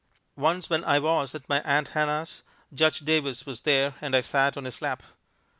Once when I was at my Aunt Hannah's, Judge Davis was there and I sat on his lap.